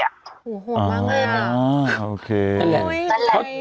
โอ้โหมากมาก